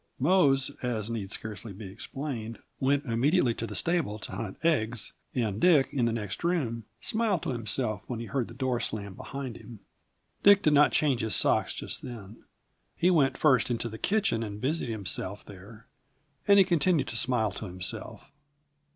Mose, as need scarcely be explained, went immediately to the stable to hunt eggs; and Dick, in the next room, smiled to himself when he heard the door slam behind him. Dick did not change his socks just then; he went first into the kitchen and busied himself there, and he continued to smile to himself.